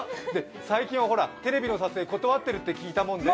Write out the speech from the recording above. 最近はほら、テレビの撮影断ってるって聞いたもんで。